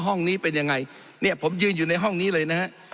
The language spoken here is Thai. ห้องนี้เป็นยังไงเนี่ยผมยืนอยู่ในห้องนี้เลยนะฮะ